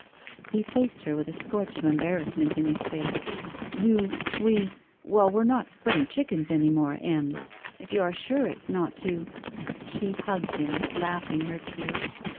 He faced her with a scorch of embarrassment in his face. '*You — We — Well, we're not spring chickens any more, Em. If you are sure it's not too —" She hugged him, laughing her tears.